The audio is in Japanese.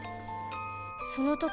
その時